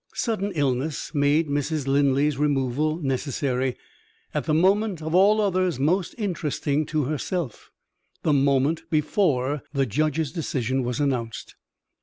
Sudden illness made Mrs. Linley's removal necessary, at the moment of all others most interesting to herself the moment before the judge's decision was announced.